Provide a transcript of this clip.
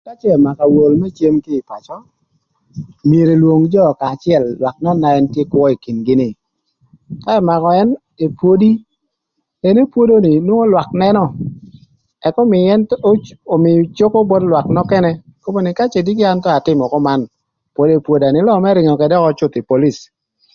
Ka cë ëmakö awol më cem kï ï pacö myero elwong jö kanya acël lwak nön na ën kwö ï kin-gï ni ka ëmakö ën epwodi, ën epwodo ni nwongo lwak nënö, ëk ömïï ën ömïï coko both lwak nökënë nakun kobo nï ka cë diki an thon atïmö köman pod epwoda nï löö më rïngö ködë cuth ï polic.